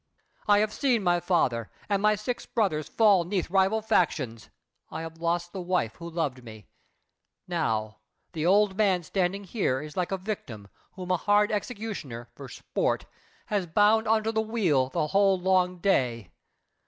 I have seen my father And my six brothers fall 'neath rival factions; I have lost the wife who loved me. Now The old man standing here is like a victim Whom a hard executioner, for sport, Has bound unto the wheel the whole long day.